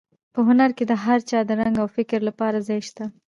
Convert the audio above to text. په هنر کې د هر چا د رنګ او فکر لپاره ځای شته دی.